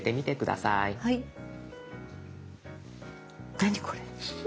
何これ？